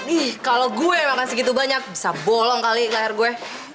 nih kalau gue makan segitu banyak bisa bolong kali layar gue